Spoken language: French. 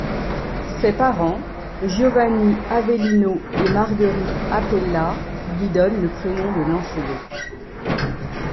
Ses parents, Giovanni Avellino et Marguerite Appella, lui donnent le prénom de Lancelot.